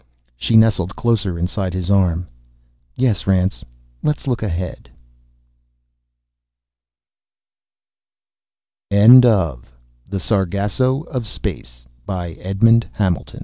She nestled closer inside his arm. "Yes, Rance. Let's look ahead." End of Project Gutenberg's The Sargasso of Space, by Edmond Hamilto